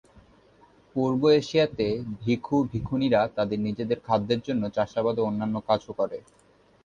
পূর্ব এশিয়াতে ভিখু-ভিখুনীরা তাদের নিজেদের খাদ্যের জন্য চাষাবাদ ও অন্যান্য কাজ ও করে।